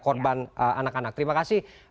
korban anak anak terima kasih